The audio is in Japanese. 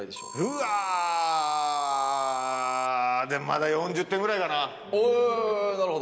まだ４０点ぐらいかな。